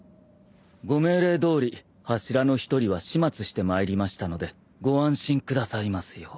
ご命令どおり柱の一人は始末してまいりましたのでご安心くださいますよう。